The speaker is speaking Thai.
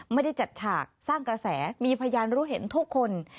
ไม่ได้จัดฉากสร้างกระแสมีพยานรู้เห็นทุกคน